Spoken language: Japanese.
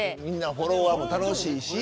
フォロワーも楽しいし。